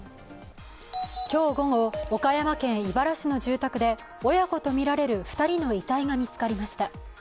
今日午後、岡山県井原市の住宅で親子とみられる２人の遺体が見つかりました。